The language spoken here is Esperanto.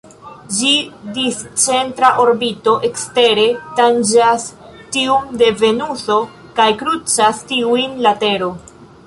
Ĝia discentra orbito ekstere tanĝas tiun de Venuso kaj krucas tiujn la Tero.